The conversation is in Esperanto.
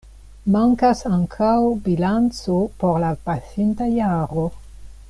Mankas ankaŭ bilanco por la pasinta jaro.